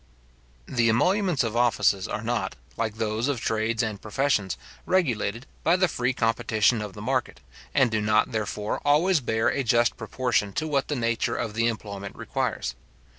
The emoluments of offices are not, like those of trades and professions, regulated by the free competition of the market, and do not, therefore, always bear a just proportion to what the nature of the employment requires.